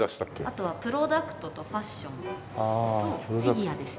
あとはプロダクトとファッションとフィギュアです。